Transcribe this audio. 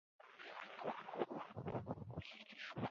拉卡佩尔博南克人口变化图示